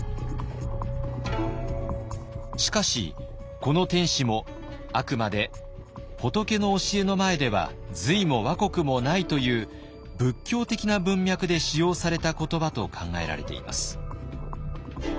しかしこの「天子」もあくまで「仏の教えの前では隋も倭国もない」という仏教的な文脈で使用された言葉と考えられています。